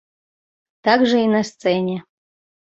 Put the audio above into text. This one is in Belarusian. Так жа і на сцэне.